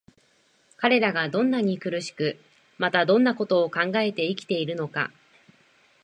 彼等がどんなに苦しく、またどんな事を考えて生きているのか、